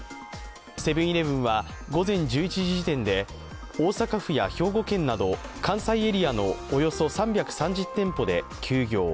セブン−イレブンは午前１１時時点で大阪府や兵庫県など関西エリアのおよそ３３０店舗で休業。